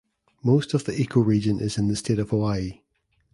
Most of the ecoregion is in the state of Hawaii.